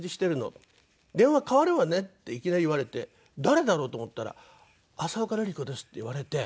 「電話代わるわね」っていきなり言われて誰だろうと思ったら「浅丘ルリ子です」って言われて。